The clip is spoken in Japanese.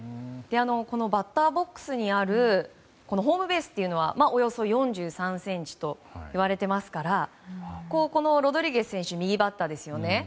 バッターボックスにあるホームベースというのはおよそ４３ｃｍといわれていますからロドリゲス選手は右バッターですよね。